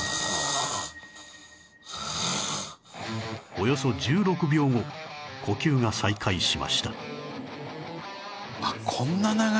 およそ１６秒後呼吸が再開しました